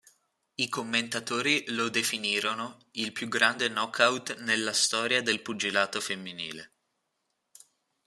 I commentatori lo definirono "il più grande knockout nella storia del pugilato femminile".